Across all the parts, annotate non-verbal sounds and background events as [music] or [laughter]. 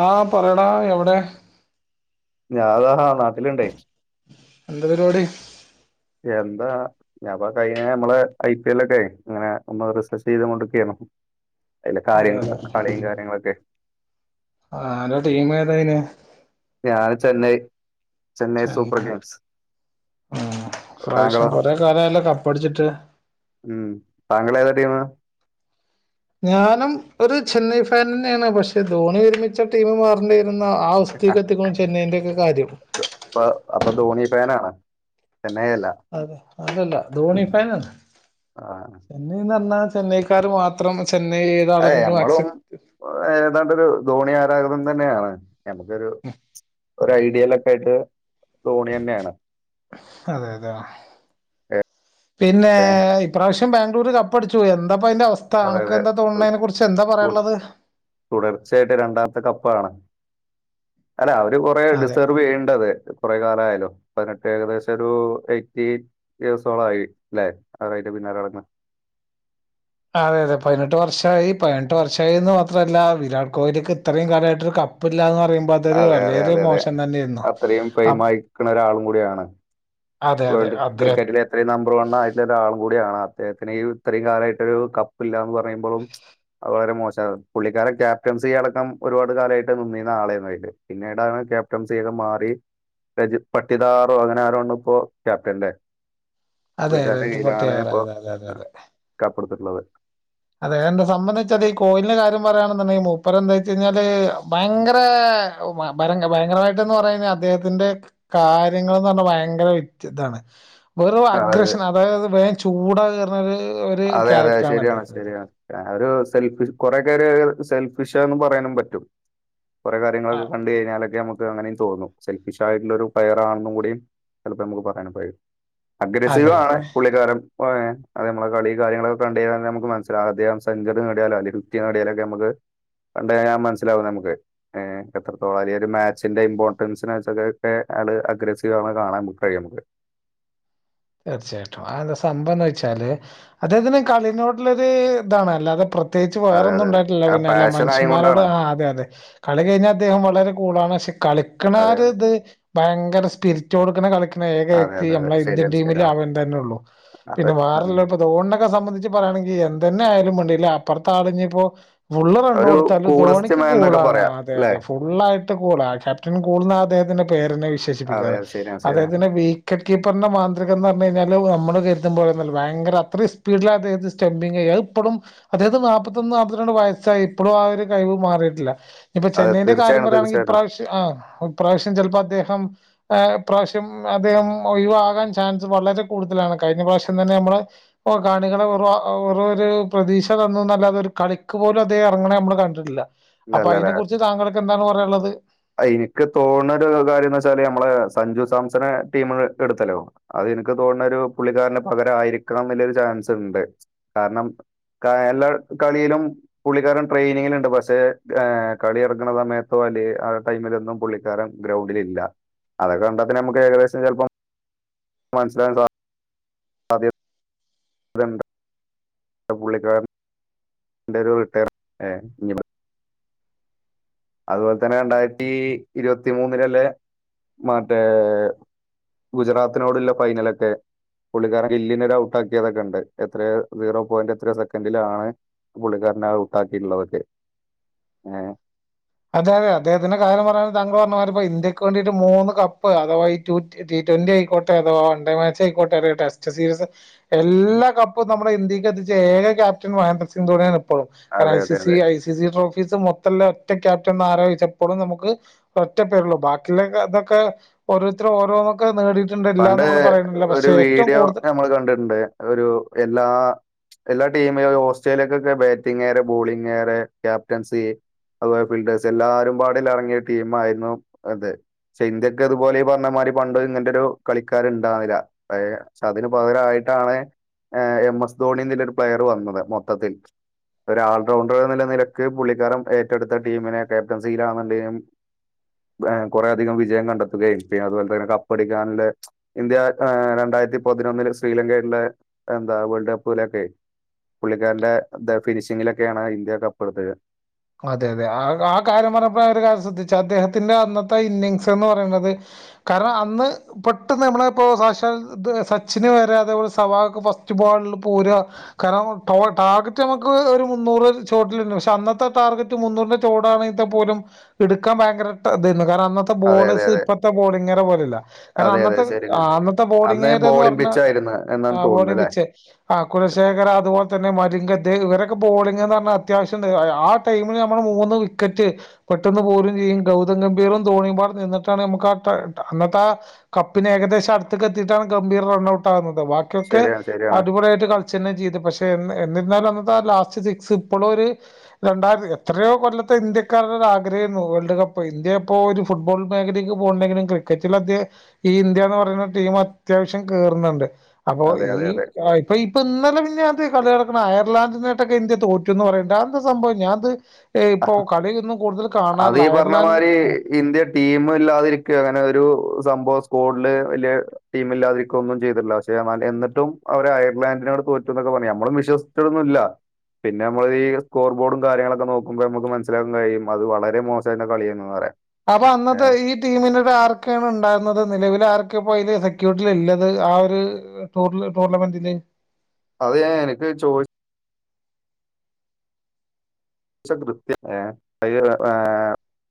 ആഹ് പറയ്ടാ എവിടെ ഞാതാ നാട്ടിലുണ്ടേ എന്താ പരിപാടി എന്താ ഞാൻപ്പ കഴിഞ്ഞ നമ്മളെ ഐ പി എൽ ഒക്കെയ് ങ്ങനെ ഒന്ന് റിസർച്ച് ചെയ്ത് കൊണ്ട്ക്കെയ്ന്ന് അയില അതെ കാര്യ കളിയും കാര്യങ്ങളൊക്കെ ആ അൻ്റെ ടീമേതായ്ന് ഞാൻ ചെന്നൈ ചെന്നൈ സൂപ്പർ കിങ്സ് ഉം പ്രാവശ്യം താങ്കളോ കൊറെ കാലായല്ലോ കപ്പടിച്ചിട്ട് ഉം താങ്കള് ഏതാ ടീം ഞാനും ഒരു ചെന്നൈ ഫാനന്നെണ് പക്ഷെ ധോണി വിരമിച്ച ടീം മാറണ്ടെ ആ അവസ്ഥീക് എത്തിക്ക് ചെന്നൈന്റെ ഒക്കെ കാര്യം ഇപ്പ ചെന്നായ്അല്ല അതല്ല ധോണി ഫാനാണ് ആ ചെന്നൈന്ന് പറഞ്ഞാ ചെന്നൈക്കാര് മാത്രം ചെന്നൈ അ ഏതാളെങ്കിലും നമ്മളും അക്സെപ്റ്റ് ഏതാണ്ടൊരു ധോണി ആരാഗതം തന്നെയാണ് നമുക്കൊരു ഒരു ഐഡിയലൊക്കെ ആയിട്ട് ധോണി തന്നെയാണ് അതെ അതെ പിന്നെ ഇപ്രാവശ്യം ബാംഗ്ലൂര് കപ്പടിച്ചുയി എന്താ പ്പൊ അതിന്റെ അവസ്ഥ അണക്ക് അതായത് എന്താ തോന്ന്ണ്നെ അയ്നെ കുറിച്ച് എന്താ തു- പറയാള്ളത് തുടർച്ചയായിട്ട് രണ്ടാമത്തെ കപ്പാണ് അല്ല അവര് കൊറെ അതെ ഡിസേർവ്യ്യണ്ടത് കൊറെ കാലയാലോ പതിനെ ഏകദേശം ഒരു എയ്റ്റി ഇയേഴ്സോളായി ല്ലെ അവര് പിന്നാല നടക്ക്ണ് [inaudible] അതെ അതെ പതിനെട്ട് വർഷായി പതിനെട്ട് വർഷായിന്ന് മാത്രല്ല വിരാട് കോഹ്ലിക്ക് ഇത്രയും കാലമായിട്ടൊരു ക പ്പില്ലാന്ന് പറയു ബദോരു അതെ അതെ വല്യേരു അതെ അതെ മോശം തന്നെന്നു അത്രയും അ ഫെയിം ആയിക്കുന്ന ഒരാളും കൂടിയാണ് വേൾഡ് ക്രിക്കറ്റിൽ എത്രയും നമ്പർ വൺ ആയിട്ടുള്ള ഒരാൾ കൂടിയാണ് അദ്ദേഹത്തിന് ഇത്രയും കാലായിട്ടൊരു കപ്പില്ലാന്ന് പറയുമ്പോളും വളരെ മോശാ പുള്ളിക്കാരൻ ക്യാപ്റ്റൻസി അടക്കം ഒരുപാട് കാലായിട്ട് നിന്നീന്ന ആളായിരുന്നു അയില് പിന്നീടാണ് ക്യാപ്റ്റൻസിയൊക്കെ മാറി രജിത് പട്ടിദാറോ അങ്ങനെ ആരോണ് ഇപ്പോ ക്യാപ്റ്റൻ ല്ലേ അതെ പുള്ളിക്കാരന്റെ രജത് കയ്യിലാണ് പട്ടിയാർ ഇപ്പൊ അതെ അതെ അതെ കപ്പെടുത്തിട്ടുള്ളത് അതെ എന്താ സംബന്ധിച്ച ഈ കോയിൽ ന്റെ കാര്യം പറയാണുണ്ടെങ്കി മൂപ്പര് എന്തച്ചയ്ഞ്ഞാല് ഭയങ്കര [unintelligible] ഭയങ്കരമായിട്ട്ന്ന് അദ്ദേഹത്തിന്റെ കാര്യങ്ങൾന്ന് പറഞ്ഞാൽ ഭയങ്കര വ്യത്യ താണ് വെറും അത് അഗ്രഷൻ അതായത് വേം ചൂട കയറ്ണെഒരു ഒരു ക്യാരക്ടരാണ് അദ്ദേഹം ശരിയാ ഒരു സെൽഫിഷ് കൊറെകൊരു സെൽഫിഷാന്ന് പറയാനും പറ്റും കുറെ കാര്യങ്ങളൊക്കെ അ- കണ്ട് കഴിഞ്ഞാലക്കെ ഞമ ക്ക്‌ അങ്ങനീം തോന്നും സെൽഫിഷ് ആയിട്ടുള്ള ഒരു പ്ലെയറാണെന്നു കൂടിയും ചിലപ്പോ ഞമക്ക് പറയാനും കഴിയും അതെ അഗ്രസീവാണ് അതെ പുള്ളിക്കാരം [unintelligible] അതെ നമ്മളെ കളി കാര്യങ്ങളൊക്കെ കണ്ട്കഴിഞ്ഞ ഞമുക്ക്‌ മനസിലാകും അദ്ദേഹം സെഞ്ച്വറി നേടിയാലോ അല്ലെ ഫിഫ്റ്റി നേടിയലോ ക്കെ ഞമക്ക് കണ്ട് കഴിഞ്ഞ മനസിലാവും നമുക്ക് ഏ എത്രത്തോളം അല്ലേ ഒരു മാച്ചിന്റെ ഇമ്പോർട്ടൻസിനെ വെചൊക്കെ ക്കെ ആള് അഗ്രസീവാണ് കാണാൻ [unintelligible] കഴിയമക്ക് തീർച്ചയായിട്ടും ആ എന്താ സംഭവം എന്ന് വെച്ചാല് അദ്ദേഹത്തിന് കളിനോടുള്ളൊരു ഇതാണ് അല്ലാതെ പ്ര ത്യേച്ച് അതെ വേറൊന്നും അതെ ഉണ്ടായിട്ടില്ല ആ പിന്നെ അല്ല പാഷൻ മനുഷ്യമാരോട് ആയതുകൊണ്ടാണ് ആ അതെ അതെ കളി കഴിഞ്ഞാൽ അദ്ദേഹം വളരെ കൂളാണ് ക്ഷെ കളിക്ക്ണ ആ അതെ ഒരു അതെ ഇത് ഭയങ്കര സ്പിരിറ്റ് കൊടുക്ക്ണ കളിക്ക്ണ ഏക അതെ വ്യക്തി അതെ അതെ നമ്മളെ ഇന്ത്യൻ ശരിയാണ് മില്ല് ശരിയാണ് അവൻ തന്നെ ഉള്ളൂ അത് പിന്നെ ഉം. വാറെള്ളോ [unintelligible] ക്കെ സംബന്ധിച്ച് പറയാണെങ്കി എന്തന്നെ ആയാലും വേണ്ടില്ല അപ്പർത്താള് ഞ്ഞ്പ്പോ ഫുള്ള് റണ്ണ് ഒരു കൊടുത്താലും കൂളസ്റ്റ് ധോണിക്ക് മാൻ എന്നൊക്കെ കൂളാണ്. പറയാം അതെ അല്ലെ അതെ ഫുള്ളായിട്ട് കൂളാ ക്യാപ്റ്റൻ കൂൾ ന്നാ അദ്ദേഹത്തിനെ നെ അതെ വിശേഷിപ്പിക്കാറ്. അത് ശരിയാണ് ശരിയാണ് അദ്ദേഹത്തിനെ വീക്കറ്റ് കീപ്പർനെ മാ ഇതൊക്കെന്നർഞ്ഞ് കഴിഞ്ഞാല് നമ്മള് കര്തും പോലെന്നും അല്ല ഭയങ്കര അത്ര സ്പീഡിലാ അദ്ദേഹത്തിന്റെ സ്റ്റമ്പിങ്ങെയ്യാ അത് ഇപ്പളും അതായത് നാപ്പത്തൊന്ന് നാപ്പത്ത്രണ്ട് വയസ്സായി ഇപ്പളും ആ ഒരു കഴിവ് മാറിയിട്ടില്ല. ഇപ്പൊ അതെ ചെന്നൈന്റെ കാര്യം തീർച്ചയായും പറയാണെങ്കി തീർച്ചയായിട്ടും ഇപ്രാവശ്യ ആ ഇപ്രാവശ്യം ചെൽപ്പൊ അദ്ദേഹം ഇ പ്രാവശ്യം അദ്ദേഹം ഒഴിവാകാൻ ച ചാൻസ് വളരെ കൂട്തലാണ്. കഴിഞ്ഞ പ്രാവശ്യം തന്നെ നമ്മള് ഒ കാണികളെ വെറു വെറു ഒരു പ്രതീക്ഷ തന്നുന്നല്ലാതെ ഒരു കളിക്ക് പോലും അദ്ദേഹം എറങ്ങണ നമ്മള് കണ്ടിട്ടില്ല. ഇല്ല അപ്പൊ അയിനെ കുർച്ച് താങ്കൾക്ക് എന്താണ് പറയാൻള്ളത്? ഇനിക്ക് തോണൊരു കാര്യംന്ന് വച്ചാല് നമ്മളെ സഞ്ജു സാംസണ് ടീമ് എടുത്തല്ലോ അത് ഇൻക്ക് തോണൊരു പുള്ളിക്കാരന്റെ പകരം ആയിരിക്കാം ന്ന്ല്ലൊരു ചാൻസ്ണ്ട്. കാരണം കാ എല്ലാ കളിയിലും പുള്ളിക്കാരൻ ട്രെയിനിങ്ങിന്ണ്ട്. പക്ഷെ കളി നട ക്ക്ണ സമയത്തോ ആ ടൈമിലൊന്നും പുള്ളിക്കാരൻ ഗ്രൗണ്ടിൽ ഇല്ല അതൊക്കെ കണ്ടാ പിന്നെ അമ്മക്ക് ഏകദേശം ചെൽപ്പം മൻസ്സ്ലാവാൻ സാ സാധ്യതണ്ട് പുള്ളിക്കാരൻ ന്റെ ഒരു റിട്ടേർ എ [unintelligible] അത് പോലെ തന്നെ രണ്ടായിരത്തി ഇരുവത്തി മൂന്നിലല്ലേ മറ്റേ ഗുജറാത്തിനോട്ള്ള ഫൈനലൊക്കെ. പുള്ളിക്കാരൻ ഗില്ലിനൊര് ഔട്ടാക്കിയതൊക്കെണ്ട്. എത്രയാ സീറോ പോയിന്റ് എത്രയോ സെക്കൻഡിലാണ് പുള്ളിക്കാരനെ ഔട്ടാക്കീള്ളതൊക്കെ ഏഹ് അതെ അതെ അദ്ദേഹത്തിന്റെ കാര്യം പറയ താങ്കൾ പറഞ്ഞ മാതിരി ഇപ്പ ഇന്ത്യക്ക് വേണ്ടിട്ട് മൂന്ന് കപ്പ് അഥവാ ടു ടി ട്വ ട്വന്റി ആയിക്കോട്ടെ അഥവാ വൺ ഡേ മാച്ച് ആയിക്കോട്ടെ ഒരു ടെസ്റ്റ് സീരീസ് എല്ലാ കപ്പും നമ്മുടെ ഇന്ത്യക്ക് എത്തിചേ ഏക ക്യാപ്റ്റൻ മഹേന്ദ്ര സിംഗ് ധോണിയാണ് ഇപ്പോഴും കാരണം അതെ ഐ അതെ സി സി അതെ ഐ സി സി ട്രോഫീസ് മൊത്തൊല്ല- ഒറ്റ ക്യാപ്റ്റൻ എന്നാരാ ചോയിച്ചപ്പോള് ഇപ്പളും നമുക്ക് ഒറ്റ പേരുള്ളൂ ബാക്കിയുള്ളോരൊക്കെ അതൊക്കെ ഓരോരുത്തര് ഓരോന്നൊക്കെ- നേടിയിട്ടുണ്ട് ഇല്ലാന്ന് പണ്ട് നമ്മൾ പറയുന്നില്ല ഒരു പക്ഷെ ഏറ്റവും വീഡിയോ കൂടുതൽ ഞമ്മള് കണ്ടിട്ടുണ്ട് ഒരു എല്ലാ- എല്ലാ ടീമിലു ഓസ്ട്രേലിയക്കൊക്കെ ബാറ്റിംഗ്കാര് ബോളിംഗ്കാര് ക്യാപ്റ്റൻസി- അതുപോലെ ഫീൽഡേഴ്സ് എല്ലാരും പാടി [unintelligible] ൽ ഇറങ്ങിയ ടീം ആയിരുന്നു അത് പക്ഷെ ഇന്ത്യക്ക് ഇതുപോലെ പറഞ്ഞ മാതിരി പണ്ട് ഇങ്ങനത്തൊരു- കളിക്കാര് ഇണ്ടാവില്ല ഏ പക്ഷെ അതിന് പകരായിട്ടാണ്- എം എസ് ധോണി എന്ന് ഒരു പ്ലെയർ വന്നത് മൊത്തത്തിൽ ഒരു ആൾറൗണ്ടർ നിലനിലക്ക് പുള്ളിക്കാൻ ഏറ്റെടുത്ത ടീമിനെ ക്യാപ്റ്റൻസിയിലാുന്ന ടീം- കൊറേ അധികം വിജയം കണ്ടെത്തുകയും പിന്നെ അതുപോലെ തന്നെ കപ്പടിക്കാനെ- ഇന്ത്യ രണ്ടായിരത്തിപതിനൊന്നില് ശ്രീലങ്കെ എന്താ വേൾഡ് കപ്പിലൊക്കെ- പുള്ളിക്കാരന്റെ ഫിനിഷിങ്ങിലൊക്കെയാണ് ഇന്ത്യ കപ്പ് എടുത്തത് അതെ അതെ ആഹ് ആ കാര്യം പറഞ്ഞപ്പഴാ ഒരു കാര്യം ശ്രദ്ധിച്ചു അദ്ദേഹത്തിന്റെ അന്നത്തെ ഇന്നിങ്സ് എന്ന് പറയുന്നത്- കാരണം അന്ന് പെട്ടെന്ന് നമ്മളെ ഇപ്പോ സാക്ഷാൽ സച്ചിന് വരെ അതേപോലെ സേവാങ് ഫസ്റ്റ്- ബോളിൽല് പൂര കാരണം ടാർഗറ്റ് നമുക്ക് ഒരു മുന്നൂറ് ഷോട്ട് ഉണ്ട് പക്ഷെ അന്നത്തെ- ടാർഗെറ്റ് മുന്നൂറിന്റെ ചോടാണ് ഇ പോലും എടുക്കാൻ ഭയങ്കര കാരണം- അന്നത്തെ അതെ അതെ ബോളേഴ്സ് അതെ ഇപ്പഴത്തെ ബോളിംഗാരെ പോലെല്ല കാരണം അതെ അതെ അന്നത്തെ ശരിയാണ് അന്നത്തെ അന്ന് ബോളിംഗാര് എന്ന് ബോളിംഗ് പിച്ച് പറഞ്ഞാൽ- ആയിരുന്നു ആ എന്നാണ് തോന്നുന്നു [unintelligible] അല്ലേ വിച്ചേ ആ കുലശേഖര അതുപോലെ തന്നെ മാ- [unintelligible] ഇവരൊക്കെ ബോളിങ് എന്ന് പറഞ്ഞാൽ അത്യാവശ്യംയുണ്ട് ആ- ടൈമിൽ നമ്മള് മൂന്ന് വിക്കറ്റ് പെട്ടെന്ന് പോലും ചെയ്യും ഗൗതം ഗംഭീറും ധോണിയും പോലെ നിന്നിട്ടാണ് നമുക്ക് ആ- അന്നത്തെ ആ കപ്പിന് ഏകദേശം അടുത്ത്ക്കെയെത്തിയിട്ടാണ് ഗംഭീർ റൺ ഔട്ട് ആകുന്നത് ബാക്കിയൊക്കെ ശരിയാണ് ശരിയാണ് അടിപൊളിയായിട്ട് കളിച്ചു തന്നെ ചെയ്തു പക്ഷെ- എന്നിരുന്നാലും അന്നത്തെ ആ ലാസ്റ്റ് സിക്സ് ഇപ്പോഴും ഒരു- രണ്ടായിരം എത്രയോ കൊല്ലത്തെ ഇന്ത്യക്കരുടെ ഒരു ആഗ്രഹയായിരുന്നു വേൾഡ് കപ്പ് ഇന്ത്യ ഇപ്പോ ഒരു ഫുട്ബോൾ മേഖലയ്ക്ക്- ഇപ്പൊ ഒണ്ടെങ്കിലും ക്രിക്കറ്റിലൊക്കെ അത് ഈ ഇന്ത്യയെന്ന് പറയുന്ന ടീം അത്യാവശ്യം കേയറുന്നുണ്ട് അപ്പൊ അതെ ഈ അതെ അതെ ആഹ് ഇപ്പൊ ഈ ഇപ്പൊ ഇന്നലെ മിനിഞ്ഞാൻത് കളിനടക്കണ അയർലാന്റിനായിട്ടൊക്കെ ഇന്ത്യ തോറ്റു എന്ന് പറയേണ്ട് അതെന്താ സംഭവം ഞാനത് ഇഹ് ഇപ്പോ കളിയൊന്നും കൂടുതൽ അത് കാണാറില്ല ഈ പറഞ്ഞ അയർലാൻഡ് മാതിരി ഇന്ത്യ ടീമില്ലാതിരിക്ക അങ്ങനെ ഒരു സംമ്പോസ് [unintelligible] വലിയ ടീമില്ലാതിരിക്കൊന്നും ചെയ്തിട്ടില്ല പക്ഷെ എന്നാല് എന്നിട്ടും അവര് അയർലാൻഡിനോട് തോറ്റുന്നക്കെ പറഞ്ഞ നമ്മളും വിശ്വസിച്ചിട്ടൊന്നുവില്ല പിന്ന നമ്മളീ സ്കോർ ബോർഡും കാര്യങ്ങളൊക്കെ നോ ക്കുമ്പ നമുക്ക് മനസ്സിലാൻ കഴിയും അത് വളരെ മോശാന്ന കളി എന്ന് പറയാ അപ്പ അന്നത്തെ ഈ ടീമിനട് ആരെക്കെയാണ് ഇണ്ടായിന്നത് നിലവിൽ ആരൊ ക്കെ അപ്പൊ അതില് സെക്യൂരിറ്റീലിള്ളത് ആ ഒരു ടൂർല് ടൂർണ്ണമെന്റില്. അത് ഞാൻ എനക്ക് ചോദി ച്ച് [unintelligible]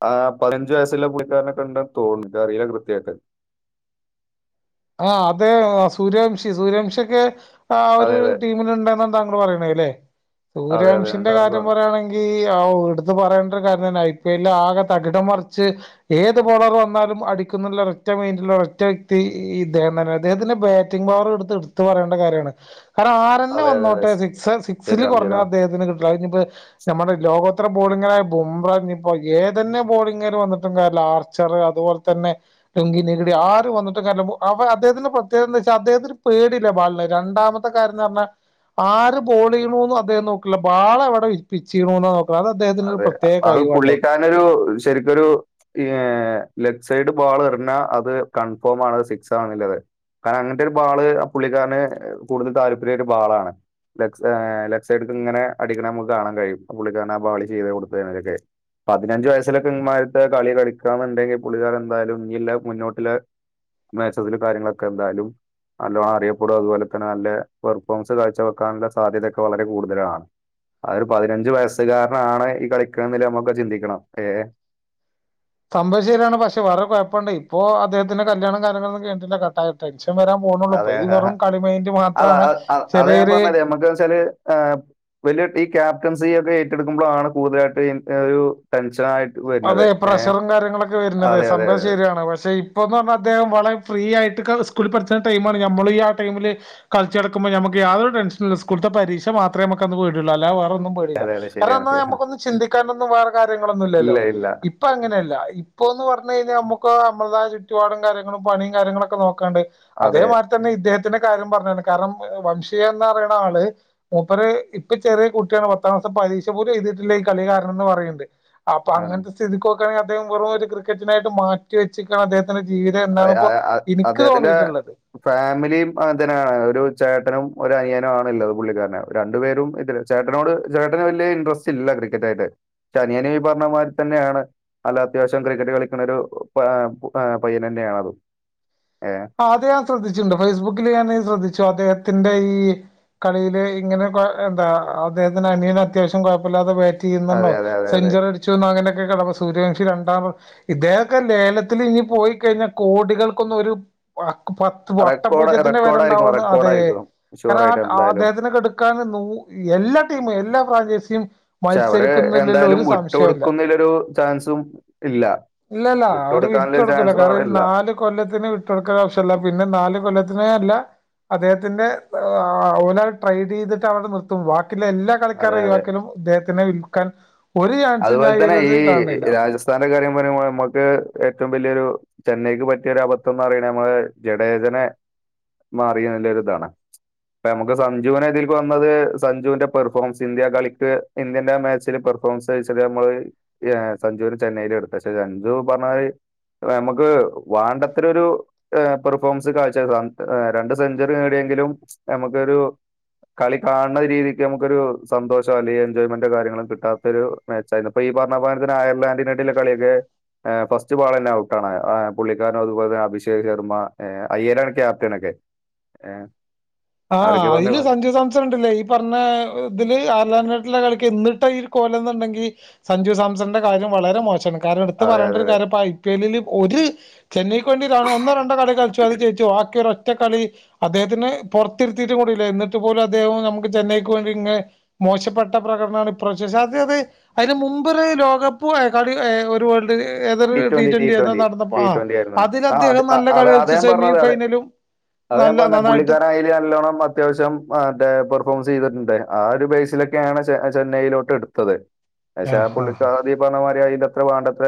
ആഹ് പതിനഞ്ചു വയസ്സുള്ള കൂട്ട്കാരനെ കണ്ട തോന്നും എനിക്കറിയ കൃത്യായിട്ട് ആഹ് അത് സൂര്യവംശി സൂര്യവംശിയൊക്കെ ആ ഒരു അതെ അതെ ടീമിലിണ്ടന്ന താങ്കൾ പറയണതല്ലേ അതെ അതെ സൂര്യവംശിന്റെ ഉണ്ടെന്ന് കാര്യം പറഞ്ഞു പറയാണെങ്കീ ആഹ് എടുത്ത് പറയണ്ടൊരു കാര്യം തന്നെ ഐ പി എല്ലാകെ തകിടം മറിച്ച് ഏത് ബോളറ് വന്നാലും അടി ക്കുന്നുള്ളൊരു ഒറ്റ മൈൻഡ് ഉള്ളൊരു ഒറ്റ വ്യക്തി ഈ ഇദ്ദേഹം തന്നെ അദ്ദേഹത്തിന്റെ ബാറ്റിംഗ് പവർ എടുത്ത് എടുത്ത് പറയേണ്ട കാര്യാണ് കാരണം ആരന്നെ അതെ അതെ അതെ വന്നോട്ടെ ശ- സിക്സ് സിക്സിൽ ശരിയാണ് കുറഞ്ഞ ശരിയാണ് അദ്ദേഹത്തിന് കി ട്ടൂല ഇന്നിപ്പ ഞമ്മടെ ലോകോത്ര ബോളിങ്ങായ ബുമ്ര ഇനിപ്പോ ഏതന്നെ ബോളിംങ്ങാര് വന്നിട്ടും കാര്യില്ല ആർച്ചറ് അതുപോലെ തന്നെ [unintelligible] ആര് വന്ന ട്ടും കാര്യല്ല അവ അദ്ദേഹത്തിന്റെ പ്രത്യേകത എന്ന് വെച്ചാൽ അദ്ദേഹത്തിന് പേടില്ല ബാളിനെ രണ്ടാമത്തെ കാര്യംന്ന് പറഞ്ഞാ ആര് ബോള് ചെയ്യണൂന്ന് അദ്ദേഹം നോക്കില്ല ബാളെവിടെ പിച്ച് ചെയ്യണൂന്നേ നോ അതെ അത് പുള്ളിക്കാനൊരു ശരിക്കൊരു ഈഹ് ലെഫ്റ്റ് സൈഡ് ബോൾ എറിഞ്ഞാ അത് കൺഫോം ആണത് സിക്സ് ആണ്ന്നില്ലത് കാരണം അങ്ങനത്തെ ഒരു ബാള് ആ പുള്ളിക്കാരന് കൂടുതൽ താല്പര്യായ ഒരു ബാളാണ്. ലെക്‌സെ ഏഹ് ലെക്സടിക്ക്ങ്ങനെ അടിക്ക്ണെ അമ്മക്ക് കാണാൻ കഴിയും പുള്ളിക്കാരനാ ബാളി ചെയ്ത് കൊട്ത്തെനെക്കെ പതിനഞ്ച് വയസ്സിലൊക്കെ ഇമ്മാര്ത്തെ കളി കളിക്കന്ന്ണ്ടെങ്കി പുള്ളിക്കൻ എന്തായാലും ഞ്ള്ള മുന്നോട്ടിലെ മാച്ചസിലും കാര്യങ്ങക്കെ എന്തായാലും നല്ലോം അറിയപ്പെടും അത്പോലെ തന്നെ നല്ല പെർഫോമൻസ് കാഴ്ച വെക്കാനുള്ള സാധ്യതക്കെ വളരെ കൂടുതലാണ്. അതൊരു പതിനഞ്ചു വയസ്സുകാരനാണ് ഈ കളിക്ക്ണ്നില്ലേ നമ്മളെക്കെ ചിന്തിക്കണം ഏഹ് സംഭവ ശെര്യാണ് പക്ഷെ വേറൊരു കൊഴപ്പണ്ട് ഇപ്പോ അദ്ദേഹത്തിന്റെ കല്യാണം കാര്യങ്ങളൊന്നും [unintelligible] ടെൻഷൻ ഇപ്പം വരാൻ പോവുന്നൊള്ളൂ പ്പൊ അതെ ഈ വെറും കളി മെയിൻ്റ് അത മാത്രാണ് അതാ ചെറിയൊര് വെല്ല്യെ ടീ ക്യാപ്റ്റൻസി ഒക്കെ ഏറ്റെട്ക്കുമ്പോഴാണ് കൂടുതലായിട്ട് ഏഹ് ടെൻഷ അതെ പ്രഷറും കാര്യങ്ങളൊക്കെ വെര്ന്നത് അതെ അതെ സംഭവം ശെര്യാണ് പക്ഷെ ഇപ്പന്ന് പർഞ്ഞാ അദ്ദേഹം വളരെ ഫ്രീ യയി ട്ട്ക്ക. സ്‌കൂളിൽ പഠ്ച്ച്ണ ടൈമാണ് ഞമ്മളു ഈ ആ ടൈമില് കൾച്ചട്ക്കുമ്പോ ഞമ്മക്ക് യാതൊരു ടെൻഷനൂല സ്കൂൾത്തെ പരീക്ഷ മാ മാത്രേ ഞമ്മക്കന്ന് പേട്യൊള്ളൂ അല്ല വേറൊന്നും പേടില്ല അതെ അതെ കാർണം ശരിയാണ് അന്ന് ശരിയാണ് നമ്മക്കൊന്നും ചിന്തിക്കാനൊന്നും വേറെ കാര്യങ്ങളൊന്നുലല്ലോ. ഇല്ല ഇല്ല ഇപ്പോ അങ്ങനല്ല ഇപ്പോന്ന് പർഞ്ഞഴ്ഞ്ഞാ അമ്മൊ ക്കോ അമ്മളെതായ ചുറ്റുപാടും കാര്യങ്ങളും പണിം കാര്യങ്ങളൊക്കെ നോക്കാണ്ട് അതേ അതെ മാരി തന്നെ ഇദ്ദേഹ ത്തിൻ്റെ കാര്യം പർഞ്ഞാല് കാരണം വംഷിയന്ന് പറി ണാള് ആൾ മൂപ്പര് ഇപ്പൊ ചെറിയ കുട്ട്യാണ് പത്താംക്ലാസ്. പരീക്ഷ പോലും എഴ്തിട്ടില്ല ഈ കളികാരണന്ന് പറീണ്ട്. പ്പ ആ അങ്ങൻത്തെ സ്ഥതിക്കൊക്കാണെ അദ്ദേഹം വേറൊര് ക്രിക്കറ്റിനായിട്ട് മാറ്റി വെച്ചക്കാണ് അദ്ദേ അ അ അ അദ്ദേഹത്തിന്റെ തോന്നിയിട്ടുള്ളത് ഫാമിലിയും അങ്ങൻതന്നെണ് ഒരു ചേ ട്ടനും ഒരനിയനാണ്ള്ളത് പുള്ളിക്കാരന് രണ്ടു പേരും ഇതില് ചേട്ടനോട് ചേട്ടന് വെല്ല്യെ ഇൻട്രസ്റ്റ് ല്ല ക്രിക്കറ്റ്. യ്ട്ട് പക്ഷേ അനിയന് ഈ പർഞ്ഞ മാരി തെന്നെണ്. നല്ല അത്യാവശ്യം ക്രിക്കറ്റ്‌ കളിക്കണൊരു ഏഹ് ഏഹ് പയ്യനന്നേണത്. ആഹ് അത് ഞാൻ ശ്രദ്ധിച്ച്ണ്ട് ഫേസ്ബുക്കില് ഞാന് ശ്രദ്ധിച്ചു അദ്ദേഹ ത്തിന്റെ ഈ കളിയില് ഇങ്ങനെ ക്കെ എന്താ അദ്ദേഹത്തിന്റനിയന് അത്യാവശ്യം കൊയപ്പല്ലാത ബാ റ്റെയ്യ്ന്ന്ണ്ടോ അതെ, അതെ, അതെ, അതെ. സെഞ്ച്വറടിച്ചുന്നങ്ങനെ [unintelligible] സൂര്യകംശി രണ്ടാമൻ ഇദ്ദേഹോക്കെ ലേലത്തില് ഇനി പോയി കഴിഞ്ഞാ കോടികൾക്കൊന്നൊരു പത്ത് റെക്കോർഡ് വട്ടപൂജ്യത്തിന്റെ വെല റെക്കോർഡായിരിക്കും ണ്ടാവൊന്ന് അതെ റെക്കോർഡായിരിക്കും. ഷുവർ കാരണം ആയിട്ട് ആ എന്തായാലും. ആദ്ദേഹത്തിനെട്ക്കാൻ എല്ലാ ടീമും എല്ലാ ഫ്രാഞ്ചേസിയും പക്ഷെ അവര് എന്തായാലും വിട്ട് കൊടുക്കുന്നതിലൊരു ചാൻസും ഇല്ല. ഇല്ലല്ല അവര് വിട്ട് വിട്ടുകൊടുക്കാനുള്ളൊരു കൊടുക്കൂല ചാൻസും കാരണം അവിടെ ഈ ഇല്ല. നാല് കൊല്ലത്തിന് വിട്ടുകൊടുക്കാൻ ആവശ്യമില്ല പിന്നെ നാല് കൊല്ലത്തി അത്രേം അല്ല അദ്ദേഹത്തിന്റെ [unintelligible] ട്രൈഡ് ചെയ്തിട്ട് അവടെ നിർത്തും വാ ത്തിലെ എല്ലാ അതെ, കളിക്കാരെ അതെ. ഒഴിവാക്കിയാലും ഇദ്ദേഹത്തിനെ വിൽക്കാൻ ഒരു ചാൻസും ഞാൻ അതുപോലെതന്നെ ഒരിത് ഈ കാണുന്നില്ല രാജസ്ഥാന്റെ കാര്യം പറയുമ്പോൾ നമ്മക്ക് ഏറ്റവും വലിയൊരു ചെന്നൈക്ക് പറ്റിയൊരു അബദ്ധം എന്ന് പറയണ നമ്മള് ജഡേജനെ മാറിയേന്റൊരു ഇതാണ്. നമുക്ക് സഞ്ജുവിനിദിൽക്ക് വന്നത് സഞ്ജുവിന്റെ പെർഫോമൻസ് ഇന്ത്യ കളിക്ക് ഇന്ത്യന്റാ മാച്ചിൽ പെർഫോമൻസ് ന്താച്ച നമ്മള് സഞ്ജുവിന് ചെന്നൈയില് എടുത്തു പക്ഷെ സഞ്ജു പറഞ്ഞാല് നമുക്ക് വാണ്ടത്രൊരു [unintelligible] പെർഫോമൻസ് കാഴ്ച [unintelligible] രണ്ട് സെഞ്ച്വറി നേടിയ ങ്കിലും നമുക്കൊരു കളി കാണുന്ന രീതിക്ക് നമുക്കൊരു സന്തോഷം അല്ലെങ്കിൽ എൻജോയ്മെന്റോ കാര്യങ്ങളും കിട്ടാത്തൊരു മാച്ചായിരുന്ന് ഇപ്പൊ ഈ പറഞ്ഞമാരിത്തന്നെ അയർലന്റെനെറ്റ്‌ള്ള കളിയൊക്കെ എ ഫസ്റ്റ് ബാൾന്നെ ഔട്ടാണ്ണ് പുള്ളിക്കാരനും അതുപോലെ തന്നെ അഭിഷേക് ശർമ്മ എ അയ്യരാണ് ക്യാപ്റ്റനൊക്കെ. ഏഹ് ആഹ് അയില് സഞ്ജു സാംസൻ ഉണ്ടല്ലേ ഈ പറഞ്ഞ ഇതില് അയർലെന്റിനേറ്റില്ലേ കളി എന്നിട്ടാ ഈഒരു കോലംമ്ന്ന്ണ്ടങ്കിൽ സഞ്ജു സാംസൺന്റെ കാര്യം വളരെ മോശാണ്. കാരണം എടുത്തു അതെ, പറയേണ്ട അതെ, ഒരു അതെ. കാര്യം ഇപ്പൊ ഐ. പി. എല്ലില് ഒര് ചെന്നൈക്ക് വേണ്ടി ആള് ഒന്നോ രണ്ടോ കളി കളിച്ചു അത് ജയിച്ചു ബാക്കിയൊരൊറ്റ കളി അദ്ദേഹത്തിന് പുറത്തിരുത്തിയിട്ടും കൂടില്ല എന്നിട്ട് പോലും അദ്ദേഹം നമുക്ക് ചെന്നൈക്ക് വേണ്ടി ഇങ്ങനെ മോശപ്പെട്ട പ്രകടനമാണ് ഇപ്രാവിശ്യം [unintelligible] [unintelligible] അതിന് മുമ്പോര് ലോകകപ്പ് [unintelligible] ഏതോരു ടി ട്വന്റിയോ ഏതോ നടന്നപ്പോ ടി ആ ആയിരുന്നു. അതിൽ ആ അത് അദ്ദേഹം നല്ല അതാ അതാ കളികളിച്ച് ഞാൻ പറഞ്ഞത്. അതെ സെമിഫൈനലും അതാ ഞാൻ നല്ല പറഞ്ഞത് നന്നായിട്ട് പുള്ളിക്കാരൻ അതില് നല്ലോണം അത്യാവശ്യം മറ്റേ പെർഫോമൻസ് ചെയ്തിട്ടുണ്ട് ആ ഒരു ബേസിലൊക്കെയാണ് ചെന്നൈയിലോട്ട് എടുത്തത് അതെ പക്ഷാ ആഹ് ആഹ് പുള്ളിക്ക് ആദ്യം പറഞ്ഞ മാതിരി അതിന്റെത്ര വേണ്ടത്ര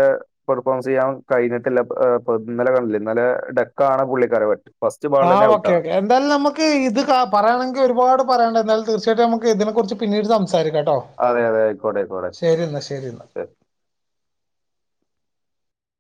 പെർഫോമൻസ് ചെയ്യാൻ കഴിഞ്ഞിട്ടില്ല [unintelligible] ഇന്നലെ കണ്ടലെ ഇന്നലെ ഡെക്ക പുള്ളിക്കാര [unintelligible] ആ ഓക്കെ ഓക്കേ എന്തായാലും നമുക്ക് ഇത് ക പറയയാണെങ്കിൽ ഒരുപാട് പറയാനണ്ട ന്നാലും തീർച്ചയായിട്ടും നമുക്ക് ഇതിനെ കുറിച്ച് പിന്നീട് സം സാരിക്കട്ടോ അതെ അതെ ആയിക്കോട്ടെ ആയിക്കോട്ടെ ശരിന്നാ ശെരിന്നാ